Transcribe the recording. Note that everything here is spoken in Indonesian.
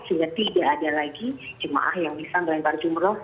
sehingga tidak ada lagi jemaah yang bisa melempar jumroh